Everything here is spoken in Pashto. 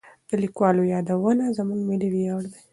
د لیکوالو یادونه زموږ ملي ویاړ دی.